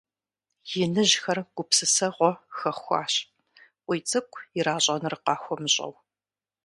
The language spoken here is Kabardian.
Иныжьхэр гупсысэгъуэ хэхуащ, КъуийцӀыкӀу иращӀэнур къахуэмыщӀэу.